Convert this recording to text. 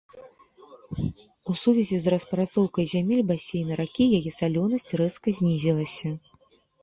У сувязі з распрацоўкай зямель басейна ракі яе салёнасць рэзка знізілася.